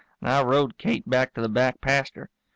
And I rode Kate back to the back pasture.